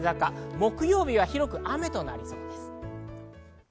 木曜日は広く雨となりそうです。